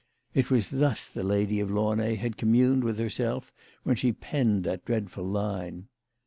It was thus the Lady of Launay had communed with herself when she penned that dreadful line.